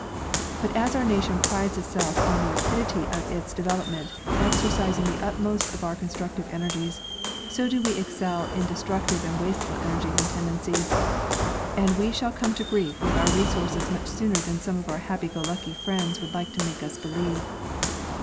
But as our nation prides itself on the rapidity of its develop ment, exercising to the utmost our constructive energies, so do we excel in destructive and wasteful energies and tendencies, and we shall come to grief with our resources much sooner than some of our happy go lucky friends would like to make us believe.